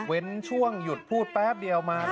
เว้นช่วงหยุดพูดแป๊บเดียวมาเลย